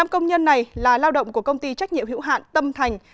năm công nhân này là lao động của công ty trách nhiệm hữu hạn tâm thành